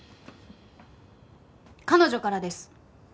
彼女からです。